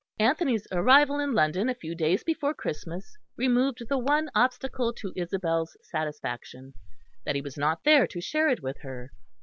Anthony's arrival in London a few days before Christmas removed the one obstacle to Isabel's satisfaction that he was not there to share it with her.